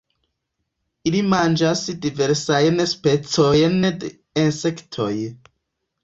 Ili manĝas diversajn specojn de insektoj.